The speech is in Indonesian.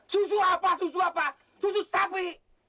susu apa susu apa susu sapi